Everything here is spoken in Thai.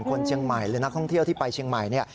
คนเชียงใหม่หรือนักท่องเที่ยวที่ไปเชียงใหม่เนี่ย